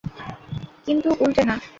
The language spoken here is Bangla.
কিন্তু উল্টে না।